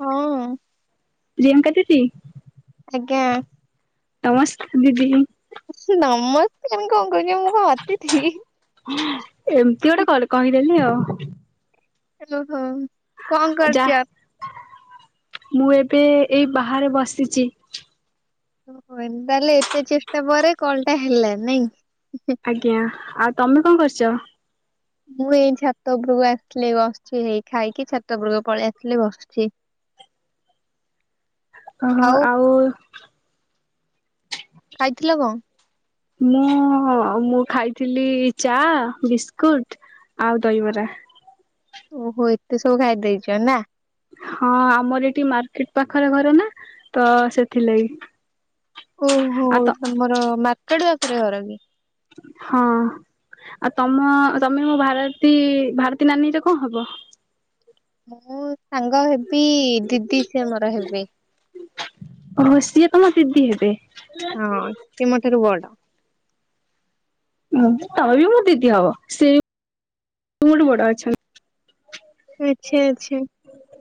ହଁ। ପ୍ରିୟଙ୍କା ଦିଦି ଆଜ୍ଞା। ନମସ୍କାର ଦିଦି। ନମସ୍କାର କଣ [unintelligible] ମୁଁ କଣ ଅତିଥି। ଏମତି ଗୋଟେ କଲ୍ କହିଦେଲି ଆଉ। ହାଲୋ ହଁ। ଯା ମୁଁ ଏବେ ଏଇ ବାହାରେ ବସିଚି। ଓ ଏନ୍ ତାହେଲେ ଏତେ ଚେଷ୍ଟା ପରେ କଣଟା ହେଲା ନାଇଁ। ଆଜ୍ଞା ଆଉ ତମେ କଣ କରୁଚ? ମୁଁ ଏଇ ଛାତ ଉପରକୁ ଆସିଥିଲି ଏଇ ବସିଛି ହେଇ ଖାଇକି ଛାତ ଉପରକୁ ପଳେ ଆସଥିଲି ବସ ଚି। ହଁ ହଁ ଆଉ ଖାଇଥିଲ କଁ? ମୁଁ ମୁଁ ଖାଇଥିଲି ଚାଆ, ବିସ୍କୁଟ ଆଉ ଦହିବରା। ଓହୋ ଏତେ ସବୁ ଖାଇଦେଇଚ ନା। ହଁ ଆମର ଏଠି ମାର୍କେଟ ପାଖରେ ଘର ନା ତ ସେଥିଲାଗ। ଓହୋ ତମର ମାର୍କେଟ ପାଖରେ ଘର କି? ହଁ ଆଉ ତମ ତମେ ମୋ ଭାରତୀ ଭାରତୀ ନାନୀରେ କଣ ହବ? ମୁଁ ସାଙ୍ଗ ହେବି ଦିଦି ସିଏ ମୋର ହେବେ। ଅ ସିଏ ତମ ଦିଦି ଥିଲେ। ହଁ ସେ ମୋ ଠାରୁ ବଡ। ତମ ବି ମୋର ଦିଦି ହବ ସେ ମୋଠ ବଡ ଅଛନ୍ତି। ଆଚ୍ଛା ଆଚ୍ଛା।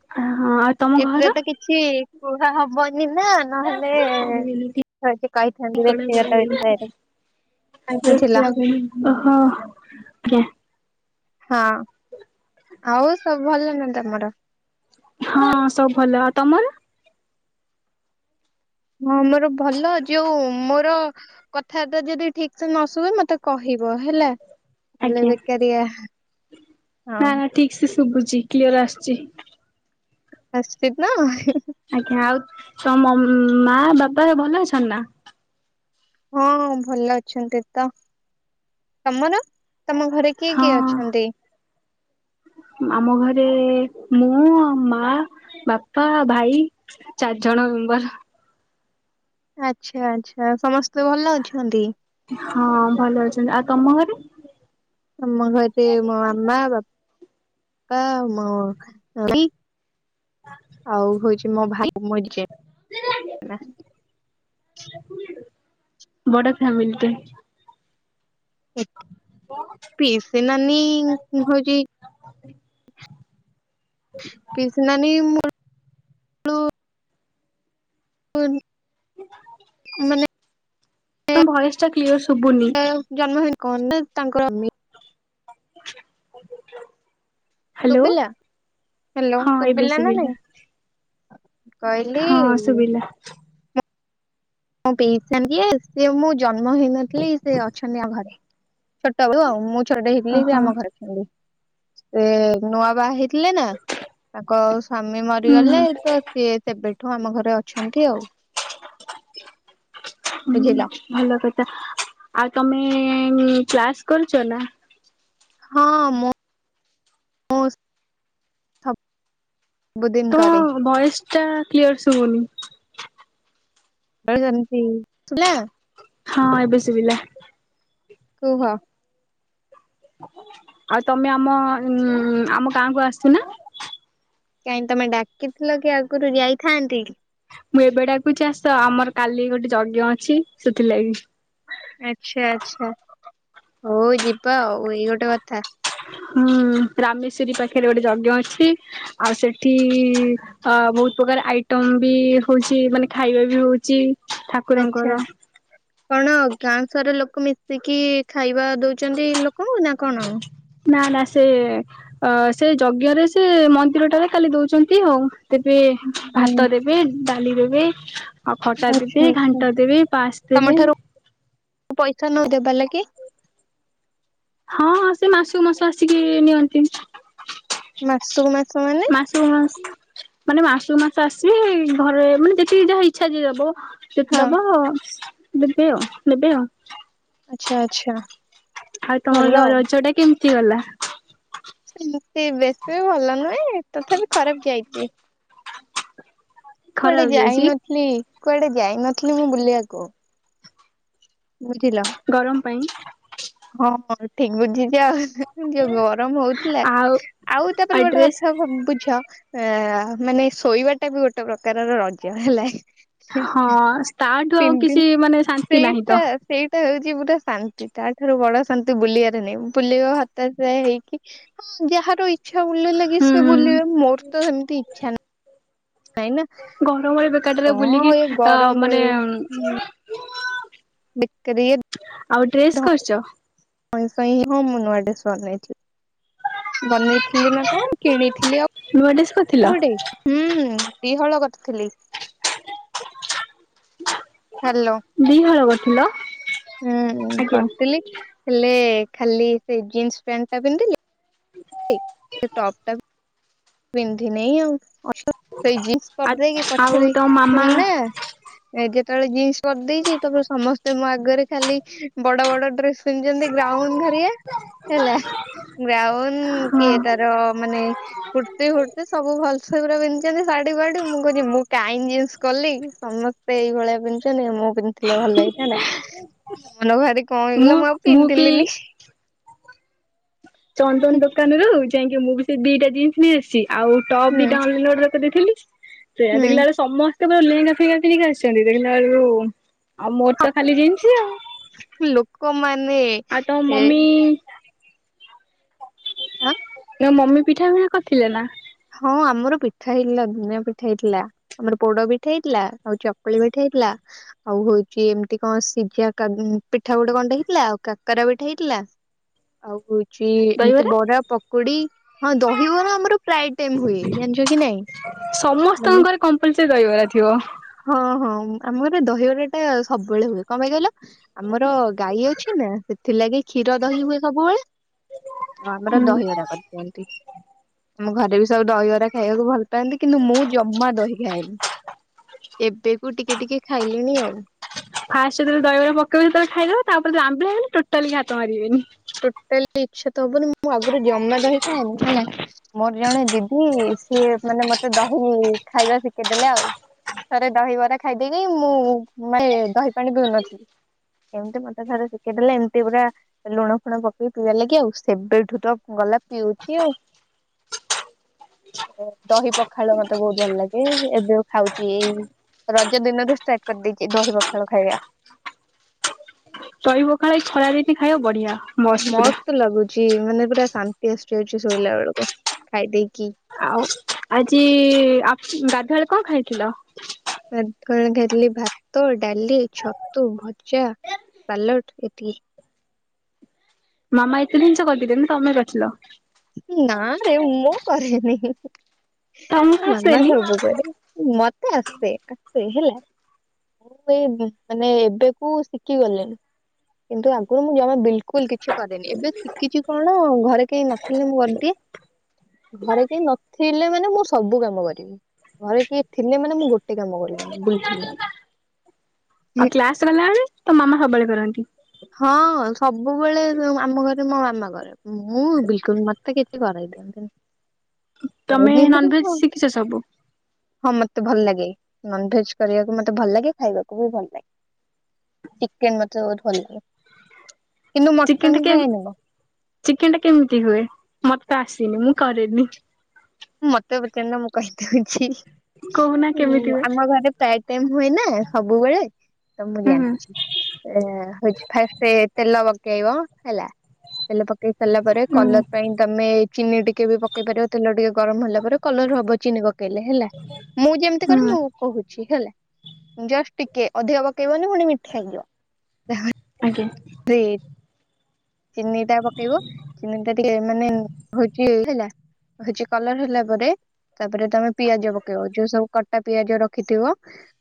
ହଁ। ତମ ଏଥିରେ ଘର ତ କିଛି କୁହା ହବନି ନା ନହେଲେ ନେ କହିଥାନ୍ତି ବ୍ୟକ୍ତିଗତ ବିଷୟରେ। ବୁଝିଲା। [unintelligible] ହଁ। ଆଉ ସବୁ ଭଲ ନା ତମର? ହଁ ସବୁ ଭଲ, ଆଉ ତମର? ହଁ ମୋର ଭଲ ଯୋଉ ମୋର କଥାବାର୍ତ୍ତା ଯଦି ଠିକ ସେ ନ ଶୁହେ ମତେ କହିବ ହେଲା, ଆଲେ ଆଜ୍ଞା। ବେକାରିଆ ନା ନା ଠିକ୍ ସେ ଶୁଭୁଛି କ୍ଲିୟର ଆସୁଚି। [unintelligible] ଆଜ୍ଞା ଆଉ ତ ମା ବାପା ଭଲ ଅଛନ୍ତି ନା? ହଁ ଭଲ ଅଛନ୍ତି ତ ତମର ତମ ଘରେ? କିଏ ହଁ କିଏ ଅଛନ୍ତି? ଆମ ଘରେ ମୁଁ ମା ବାପା ଭାଇ। ଚାର ଜଣ ମେମ୍ବର। ଆଚ୍ଛା ଆଚ୍ଛା ସମସ୍ତେ ଭଲ ଅଛନ୍ତି? ହଁ ଭଲ ଅଛନ୍ତି ଆଉ ତମ ଘରେ? ଆମ ଘରେ ମୋ ମାମା ବାପା ମୋ ଭାଇ। ଆଉ ହଉଛି ମୋ ଭାଇ ମୁଁ ନିଜେ। ବଡ ଫ୍ୟାମିଲି ଟେ। ଆା ହ ପିଇସିନାନୀ ହଉଚି। ପିଇସିନାନୀ [unintelligible] ମାନେ ଭଏସ ଟା କ୍ଲିୟର ଶୁଭୁନି। ଜନ୍ମ ହେଇ କଣ ନା ତାଙ୍କର ହ୍ୟାଲୋ ଶୁଭିଲା ହ୍ୟାଲୋ ହଁ ଏବେ ଶୁଭିଲା ନା ନାଇଁ ସୁବିଲା। କହିଲି। ହା ହଁ ପିଇଛନ୍ତି ସିଏ ମୁଁ ଜନ୍ମ ହେଇନଥିଲି ସେ ଅଛନ୍ତି ଆଉ ଘରେ। ଛୋଟ ବେଳୁ ଆଉ ମୁଁ ଛୋଟ ହେଇଥିଲି ବି ଓହୋ ଆମ ଘରେ ଅଛନ୍ତି, ସେ ନୂଆ ବା ହେଇ ଥିଲେ ନା ତାଙ୍କ ସ୍ବାମୀ ହୁଁ। ମରିଗଲେ ତ ସିଏ ସେବେ ଠୁ ଆମ ଘରେ ଅଛନ୍ତି ଆଉ। ହୁଁ ବୁଝିଲ? ଭଲ କଥା ଆଉ ତମେ କ୍ଲାସ୍ କରୁଛ ନା? ହଁ ମୁଁ ସବୁଦିନ କରେ ତମ ଭଏସ ଟା କ୍ଲିୟର ଶୁଭୁନି। [unintelligible] ହଁ ଏବେ ଶଭିଲା। କୁହ। ଆଉ ତମେ ଆମ ଉ ଆମ ଗାଁକୁ ଆସୁନ? କାହିଁକି ତମେ ଡାକି ଥିଲ କି ଆଗରୁ ଯାଇଥାନ୍ତି। ମୁଁ ଏବେଡାକୁଛି ଆସ ଆମର କାଲି ଗୋଟେ ଯଜ୍ଞ ଅଛି ସେଥିଲାଗି ଆଛା ଆଚ୍ଛା ହଉ ଯିବା ଆଉ ଏଇ ଗୋଟେ କଥା। ହୁଁ ରାମେଶ୍ଵରୀ ପାଖରେ ଗୋଟେ ଯଜ୍ଞ ଅଛି ଆଉ ସେଠି ଅ ବହୁତ ପ୍ରକାର ଆଇଟମ ବି ହଉଛି ମାନେ ଖାଇବା ବି ହଉଛି। ଆଛା ଠାକୁରଙ୍କର। କଣ ଗାଁ ସର ଲୋକ ମିଶିକି ଖାଇବା ଦଉ। କରଛନ୍ତି ଲୋକଙ୍କୁ ନା କଣ? ନା ନା ସେ ସେ ଯଜ୍ଞରେ ସେ ମନ୍ଦିରଟାରେ ଖାଲି ଦଉଛନ୍ତି ଆଉ। ଦେବେ ହୁଁ ଭାତ ଦେବେ ଡାଲି ଦେବେ। ଆଉ ଖଟା ଆଚ୍ଛା ଦେବି ଆଚ୍ଛା। ଘାଣ୍ଟ ଦେବି ପାସ୍ ତମ ଦେବି। ଠାରୁ ପଇସା ନ ଦେବାର ଲାଗ। ହଁ ହଁ ସେ ମାସକୁ ମାସ ଆସିକି ନିଅନ୍ତି। ମାସକୁ ମାସ ମାନେ? ମାସ ମାସ ମାନେ ମାସୁ ମାସ ଆସିବେ ଘରେ ମାନେ ଯେତିକି ଯାହା ଇଚ୍ଛା ଯଏ ଦବ। ସେତେ ହଁ ଦବ ଆଉ ଦେବେ ଆଉ ନେବେ ଆଉ। ଆଚ୍ଛା ଆଚ୍ଛା। ଆଉ ଭଲ ତମର ଆଉ। ରଜ ଟା କେମିତି ଗଲା? ସେମିତି ବେଶୀ ବି ଭଲ ନୁହେଁ ତଥାପି ଖରାପ ଯାଇଛି। କୁଆଡେ ଖରାପ ଯାଇଛି ଯାଇନଥିଲି କୁଆଡେ ଯାଇନଥିଲି ମୁଁ ବୁଲିବାକୁ। ବୁଝିଲ। ଗରମ ପାଇଁ ହଁ ଠିକ ବୁଝିଛି ଆଉ। ଯ ଗରମ ହଉଥିଲା ଆଉ ଆଉ ତାପରେ ଗୋଟେ କଥା ବୁଝ। ଆ ମାନେ ଶୋଇବା ଟା ବି ଗୋଟେ ପ୍ରକାରର ରଜ ହେଲା। ହଁ ତାଠୁ ଆଉ ତିନି ଦିନ କିଛି ମାନେ ଶାନ୍ତି ନାହିଁ ସେଇଟା ତ ସେଇଟା ହଉଛିପୁରା ଶାନ୍ତି ତ। ଠାରୁ ବଡ ଶାନ୍ତି ବୁଲିବାରେ ନାଇ ବୁଲେଇବ। ହତାଶା ହେଇକି ହଁ ଯାହାର ଇଛାୁଲିଲ ଲାଗି ହୁଁ ସେ ହୁଁ ବୁବେ ମୋର ତ ସେମିତି ଇଚ୍ଛା ନାହିଁ। ନା ଗରମରେ ବେକାରଟ ବୁଲିକି କଣ ଏ ଅ ଗରମରେ ମାନେ ବିକରି ଆଉ ଡ୍ରେସ୍ କରିଛ। ହଇଁ ସଇଁ ହଁ ମୁଁ ନୂଆ ଡେଶ ନେଇଥିଲି। ବନେଇଥିଲି ନା କଣ କିଣିଥିଲି ଆଉ। ନୂଆ ଡେସ କୋଉଠେ ହୁଁ ବିିହଳ କରିଥିଲି। ହ୍ୟାଲୋ। ଦିହଳ କରିଥିଲ। ହୁଁ ଆଜ୍ଞା କରିଥିଲି ହେଲେ ଖାଲି ସେ ଜିନ୍ସ ପ୍ୟାଣ୍ଟ ଟା ପିନ୍ଧିଲି। [inaudible] ସେ ଟପ ଟା ପିନ୍ଧି ନାଇଁ ଆଉ ସେଇ ଜିନ୍ସ ଆ କରିଦେଇକି ଆଉ ପଛରେ ତମ ମାମା ସୁା ଏ ଯେତେବେଳେ ଜିନ୍ସ କରିଦେଇଛି ତାପ ସମସ୍ତେ ମୋ ଆଗରେ ଖାଲି ବଡ ବଡ ଡ୍ରେସ। ତମି ଯେତି ଗ୍ରାଉଣ୍ଡ ଧରି ହେଲା। ବ୍ରାଉନ ହଁ କିଏ ତାର ମାନେ। କୁର୍ତ୍ତି ଫୁର୍ତ୍ତି ସବୁଲସ ପୁରା ପିନ୍ଧିଛନ୍ତି ଶାଢୀ ଗୁଡିୀ ମୁଁ କହୁଛି ମୁଁ କାଇଣ୍ଡ ଜିନ୍ସ କଲି ସମସ୍ତେ ସେ ସେଇଭଳିଆ ପିନ୍ଧିୁଛନ୍ତିି ମୁଁ ପିନ୍ଧିଥିଲେ ଭଲ ହେଇଥାନ୍ତା ମନ ଘହାରିକି କଣ ହେଇଗଲା ମୁଁ ଆଉ ପିନ୍ଧିଲିନି। ଚନ୍ଦନ ଦୋକାନରୁ ଯାଇକି ମୁଁ ବି ସେ ଦିଟା ଜିନିଷ ନେଇଆସିଛି ଆଉ ଟପ୍ ବି ହୁଁ। ଡାଉନଲୋଡ କରି ଦଥିଲି ସେଇଆ ହୁଁ ଦେଖିଲା ବେଳୁ ସମସ୍ତେ ପୁର ଲେଙ୍ଗା ଫିଙ୍ଗା ପିନ୍ଧି କି ଆସିଛନ୍ତି ଦେଖିଲା ବେଳକୁ ଆଉ ମୋର ତ ଖାଲି ଜିନସ୍ ଆଉ। ଲୋକମାନେ ଆଉ ତମ ଏ ମମି ହଁ। ତୋ ମମି ପିଠା ପିଠା କରିଥିଲେ ନା। ହଁ ଆମର ପିଠା ହେଇଥିଲା ଦୁନିଆ ପିଠା ହେଇଥିଲା। ଆମର ପୋଡ ପିଠାହେଇଥିଲା ଆଉ ଚକୁଳି ପିଠାହେଇଥିଲା। ଆଉ ହଉଛି ଏମିତି କଣ ସିଝା ପିଠା ଗୋଟେ କଣଟେ ହେଇଥିଲା ଆଉ କାକରା ପିଠା ହେଇଥିଲା। ଆଉ ହଉଛି ଏମତି ଦହିବରା? ବରା ପକୁଡି ହଁ ଦହିବରା ଆମର ପ୍ରାଏ ଟାଇମ୍ ହୁଏ ଯାଣିଛ କି ନାଇଁ? ସମସ୍ତଙ୍କ ମାନେ ଘରେ କମ୍ପଲସରି ଦହିବରା ଥିବ। ହଁ ହଁ ଆମ ଘରେ ଦହିବରାଟା ସବୁବେଳେ ହୁଏ କଣ ପାଇଁ କହିଲ? ଆମର ଗାଈ ଅଛି ନା ସେଥିଲାଗି କ୍ଷୀରଦହି ହୁଏ ସବୁବେଳେ। ତ ଆମର ହୁଁ ଦହିବରା କରିଦିଅନ୍ତି। ଆମ ଘରେ ବି ସବୁ ଦହିିବରା ଖାଇବାକୁ ଭଲ ପାନ୍ତି। କିନ୍ତୁ ମୁଁ ଜମା ଦହି ଖଏନି ଏବେକୁ ଟିକେ ଟିକେ ଖାଇଲିଣି ଆଉ। ଫାଷ୍ଟ ଯେତେବେଳେ ଦହିବରା ପକେଇବ ସେତେବେଳେ ଖାଇଦବ ତାପରେ ଯେତେବେଳେ ଆମ୍ବିଳା ହେଇଗଲେ ଟୋଟାଲି ହାତ ମାରିବେନି। ଟୋଟାଲି ଇଛା ତ ହବନି। ମୁଁ ଆଗରୁ ଜମା ଦହି ଖାଏନି ହେଲା। ମୋର ଜଣେ ଦିଦି ସିଏ ମାନେ ମତେ ଦହି ଖାଇବା ଶିଖେଇଦେଲେ ଆଉ। ଥରେ ଦହିବରା ଖାଇଦେଇକି ମୁଁ ମାନେ ଦହି ପାଣି ପିଉ ନଥିଲି। ଏମିତି ମତେ ଥର ଶିଖେଇଦେଲେ ଏମିତି ପୁରା ଲୁଣ ଫୁଣ ପକେଇ ପିଇବ ଲାଗି ଆଉ ସେବେଠୁ ତ ଗଲା ପିଉଛି ଆଉ। ଦହିପଖାଳ ମତେ ବହୁତ ଭଲ ଲାଗେ ଏବେ ଖାଉଛି ଏଇ ରଜ ଦିନରୁ ଷ୍ଟାର୍ଟ କରିଦେଇଛି ଦହିିପଖାଳ ଖାଇବା। ଦହିପଖାଳ ଏଇ ଖରାଦିନ ଖାଇବ ବଢିଆ। ମସ୍ତ ଲାଗୁଛି ମାନେ ପୁରା ଶାନ୍ତି ଆସିଯାଉଛି ଶୋଇଲା ବେଳକୁ, ଖାଇ ଦେଇକି। ଆଉ ଆଜି ଆ ଗାଧୁଆବେଳେ କଣ ଖାଇଥିଲ? ଗାଧୁଆବେଳେ ଖାଇଥିଲି ଭାତ, ଡାଲି, ଛତୁ ଭଜା। ସାଲଟ୍ ଏତିକି। ମାମା ଏତେ ଜିନିଷ କରିଥିଲେ? ନା ତମେ କରିଥିଲ? ନାରେ ମୁଁ କରିନି। ତମକୁ ମାମା ଆସେନି ସବୁ କରେ ମତେ ଆସେ ଆସେ ହେଲା। ମାନେ ମାନେ ଏବେକୁ ଶିଖି ଗଲେଣି। କିନ୍ତୁ ଆଗରୁ ମୁଁ ଜମା ବିଲକୁଲ କିଛି କରେନି ଏବେ ଶିଖିଛି କଣ ଘରେ କେହି ନ ଥିଲେ ମୁଁ କରିଦିଏ ଘରେ କେହି ନଥିଲେ ମାନେ ମୁଁ ସବୁ କାମ କରିବି। ଘରେ କିଏ ଥିଲେ ମାନେ ମୁଁ ଗୋଟେ କାମ କରିବିନି। ବୁଲିଥିବି। ଆଉ କ୍ଲାସ ନେଲାବେଳେ ତୋ ମାମା ସବୁବେଳେ କରନ୍ତି। ହଁ, ସବୁବେଳେ ଆମ ଘରେ ମୋ ମାମା କରେ। ମୁଁ ବିଲକୁଲ ମତେ କିଛିି କରାଇଦିଅନ୍ତିନି। ତମେ ନନଭେଜ ଶିଖିଛ ସବୁ? ହଁ ମତେ ଭଲଲାଗେ ନନଭେଜ କରିବାକୁ ମତେ ଭଲ ଲାଗେ। ଖାଇବାକୁ ବି ଭଲ ଲାଗେ। ଚିକେନ୍ ମେତେ ବହୁତ ଭଲ ଲାଗେ। କିନ୍ତୁ ଚିକେନଟା ମଟନ କେ ଖାଏନି ମୁଁ। ଚିକେନଟା କେମିତି ହୁଏ? ମତେ ତ ଆସିନି ମୁଁ କରେନି। ମତେ ପଚାରୁନ ମୁଁ କହିଦଉଛି। କହୁନା କେମିତି ହୁଏ? ଆମ ଘରେ ପ୍ରାଏ ଟାଇମ ହୁଏ ନା ସବୁବେଳେ। ତ ମୁଁ ହୁଁ ଜାଣିଛି। ହଉଛି ଫାଷ୍ଟ ତେଲ ପକେଇବ ହେଲା। ତେଲ ପକେଇ ସାରିଲା ପରେ ହୁଁ କଲର ପାଇଁ ତମେ ଚିନି ଟିକେ ବି ପକେଇ ପାରିବ ତେଲ ଟିକେ ଗରମ ହେଲା ପରେ କଲର ହବ ଚିନି ପକେଇଲେ ହେଲା ମୁଁ ଯେମିତି କର ହୁଁ ମୁଁ କହୁଛି ହେଲା ଜଷ୍ଟ ଟିକେ ଅଧିକା ପକେଇବନି ପୁଣି ମିଠା ହେଇଯିବ। ଆଜ୍ଞା। [unintelligible] ଚିନିଟା ପକେଇବ। ଚିନିଟା ଟିକେ ମାନେ ହଉଛି ହେଲା। ହଉଛି କଲର ହେଲା ପରେ ତାପରେ ତମେ ପିଆଜ ପକେଇବ ଯୋଉ ସବୁ କଟା ପିଆଜ ରଖିଥିବ।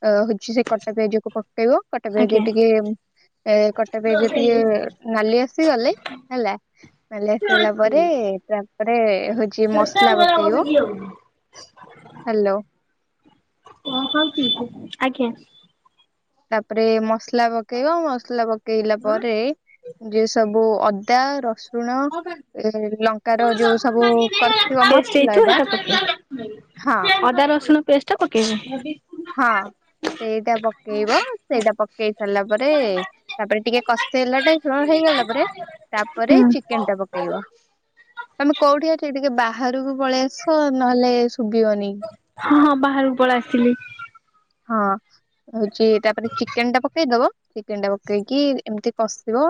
ଅ ହଉଛି ସେ କଟା ପିଆଜକୁ ପକେଇବ। କଟା ପିଆଜ ଆଜ୍ଞା ଟିକେ ଏ କଟା ପିଆଜ ଟିକେ ନାଲି ଆସିଗଲେ ହେଲା [unintelligible] ଲି ଆସିଗଲା ପରେ ତାପରେ ହଉଚି ମସଲା ପକେଇବ। ହାଲୋ। କଁ କରୁଚି [unintelligible] ଆଜ୍ଞା। ତାପରେ ମସଲା ପକେଇବ ମସଲା ପକେଇଲା ପରେ ଯେ ସବୁ ଅଦା, ରସୁ ରୁଣ ଏ ଲଙ୍କାର ଯୋଉ ସବୁ କରିଥିବ ପେଷ୍ଟ ମତ୍ ହେଇଥିବ ଲାଟା ହେଟା ପକେଇବେ। ଅଦା, ରସୁଣ ପେଷ୍ଟା ହଁ ପକେଇବେ। ହଁ ସେଇଟା ପକେଇବ ସେଇଟା ପକେଇ ସାରିଲା ପରେ ତାପରେ ଟିକେ କଷ୍ ସେଲଟେ ପୂରଣ ହେଇଗଲା ପରେ ହୁଁ ତାପରେ ଚିକେନ୍ ଟା ପକେଇବ। ତମେ କୋଉଠି ଅଛ ଟିକେ ବାହାରୁକୁ ପଳେଇ ଆସ ନହେଲେ ଶୁବିବନି। [unintelligible] ହଁ ବାହାରୁକୁ ପଳେ ଆସିଲି। ହ। ହଉଚି ତାପରେ ଚିକେନ୍ ଟା ପକେଇଦବ ଚିକେନ୍ ଟା ପକେଇକି ଏମିତି କଷିବ।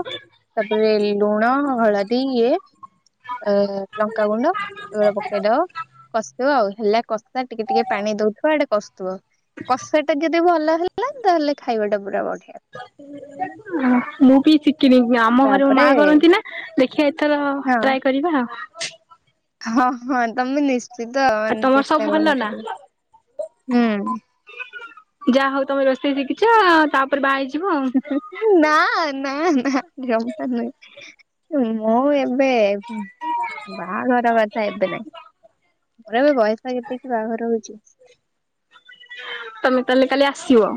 ତାପରେ ଲୁଣ, ହଳଦୀ ଇଏ। ଏ ଲଙ୍କାଗୁଣ୍ଡ ଏଗୁରା ପକେଇଦବ। କଷି [unintelligible] ଆଉ ହେଲା କଷା ଟିକେ ଟିକେ ପାନି ଦଉଥୁଅ ଆଡ଼େ କଷ୍ ତୁଅ। କଷା ଟା ଯଦି ଭଲ ହେଲା ତାହେଲେ ଖାଇବା ଟା ପୁରା ବଢିଆ। [unintelligible] ମୁଁ କି ଚି କିରେ [unintelligible] ଆମ ଘରେ ଓ ତାପରେ ମା କରନ୍ତି ନା ଦେଖିଆ ଏଥର ଟ୍ରାଏ କରିବା। ହ ହ ତମେ ନିଶ୍ଚିତ ଆଉ ମାନେ ତମର ସବୁ ଚେଷ୍ଟା ଭଲ କର କରିବା। ଉୁଁ। ଯା ହଉ ତମେ ରୋଷେଇ ଶିଖିଚ଼ ତାପରେ ବା ହେଇଯିବ ଆଉ। ଉୁଁ ନା ନା ନା ଜମା ନୁହେ। ଉୁଁ ମ ଏବେ ବାହାଘର କଥା ଏବେ ନାଇଁ। ମୋର ଏବେ ବୟସ କେତିକି ବାହାଘର ହଉଚି। ତମେ ତାଏଲେ କାଲି ଆସିବ?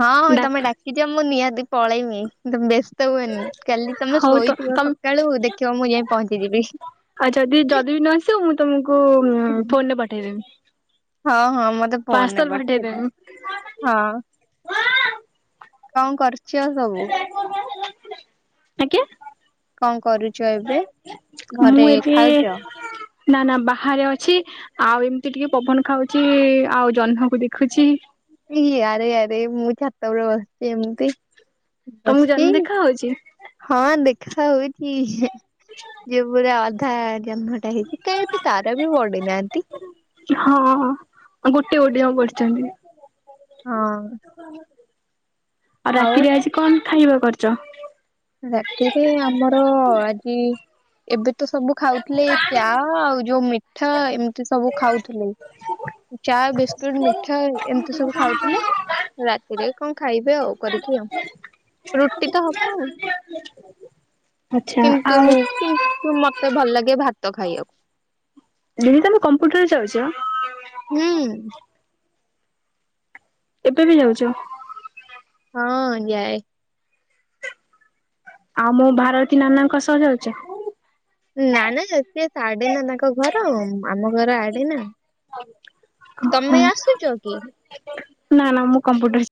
ହଁ ହଁ ଡାକ୍ ତମେ ଡାକିଚ ମୁଁ ନିହାତି ପଳେଇମି ବ୍ୟସ୍ତ ଉଅନି କାଲି। ତମେ ହଉ ତ ଶୋଇଥିବ ତମ ସକାଳୁ ଦେଖିବ ମୁଁ ଯାଇଁ ପହଞ୍ଚିଯିବି। ଆଉ ଯଦି ଯଦି ବି ନ ଆସିବ ମୁଁ ତମକୁ ଫୋନରେ ପଠେଇଦେ [unintelligible] ହଁ ହଁ ମତେ ପୋନ୍ ଏ ପଠେଇ ଦବ ପଠେଇଦେବି। ହଁ। କଁ କରୁଚ ଆଉ ସବୁ? ଆଜ୍ଞା। କଣ କରୁଚ ଏବେ ମୁଁ ଘରେ ଏବେ ଖାଉଚ? ନା ନା ବାହାରେ ଅଛି ଆଉ ଏମିତି ଟିକେ ପବନ ଖାଉଚି ଆଉ ଜହ୍ନକୁ ଦେଖୁଚି। ଇ ଆରେ ଆରେ ମୁଁ ଛାତ ଉପରେ ବସିଚି ଏମିତି। ତମକୁ ବସ୍‌ଚି ଜହ୍ନ ଦେଖା ହଉଛି ହଁ ଦେଖା ହଉଚି। ଯେଉ ପୁରା ଅଧା ଜହ୍ମଟା ହେଇଚି କାଇଁ ଏତେ ତାର ବି ପଡିନାଆନ୍ତି। ହଁ ହଁ ଗୋଟି ଗୋଟିକା ପଡିଚନ୍ତି। ହଁ ଆଉ ରାତିରେ ଆଜି କଣ ଖାଇବା କରଚ? ରାତିରେ ଆମର ଅ ଆଜି ଏବେ ତ ସବୁ ଖାଉଥିଲେ ଚା ଆଉ ଯୋଉ ମିଠା ଏମିତି ସବୁ ଖାଉଥୁଲେ। ଚା, ବିସ୍କିଟ୍, ମିଠା ଏ ଏମିତି ସବୁ ଖାଉଥୁଲେ ରାତିରେ କଁ ଖାଇବେ ଆଉ କରିକି ଆଉ ରୁଟି ତ ହବ ଆଉ। ଆଚ୍ଛା କିନ୍ତୁ ଆଉ କିନ୍ତୁ ମତେ ଭଲ ଲାଗେ ଭାତ ଖାଇଆଉ। ଦିଦି ତମେ କମ୍ପୁଟର୍ ଯାଉଚ? ଉୁଁ। ଏବେ ବି ଯାଉଚ? ହଁ ଯାଏ। ଆଉ ମୋ ଭାରତୀ ନାନାଙ୍କ ସ ଯାଉଚ? ନା ନା [unintelligible] ସାଡେ ନା ତାଙ୍କ ଘର ଆମ ଘର ଆଡେ ନା। ଓହୋ। ତମେ ଆସୁଚ କି? ନା ନା ମୁଁ କମ୍ପ୍ୟୁଟର